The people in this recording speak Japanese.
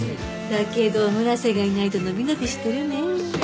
だけど村瀬がいないと伸び伸びしてるね。